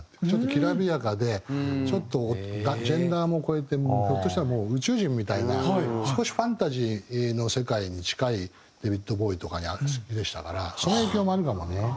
ちょっときらびやかでちょっとジェンダーも超えてひょっとしたらもう宇宙人みたいな少しファンタジーの世界に近いデヴィッド・ボウイとか好きでしたからその影響もあるかもね。